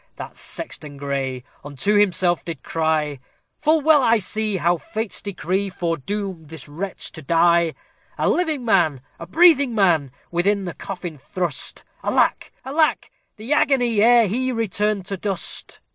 that sexton gray unto himself did cry, "Full well I see how Fate's decree foredoomed this wretch to die; A living man, a breathing man, within the coffin thrust, Alack! alack! the agony ere he returned to dust!"